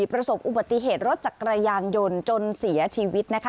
ประสบอุบัติเหตุรถจักรยานยนต์จนเสียชีวิตนะคะ